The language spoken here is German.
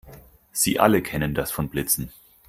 Sie alle kennen das von Blitzen.